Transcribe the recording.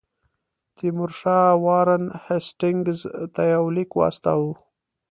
تیمورشاه وارن هیسټینګز ته یو لیک واستاوه.